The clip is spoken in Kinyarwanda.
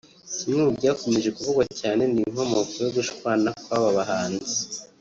Kimwe mu byakomeje kuvugwa cyane nk’inkomoko yo gushwana kw’aba bahanzi